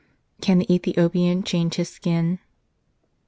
(Can the Ethiopian change his skin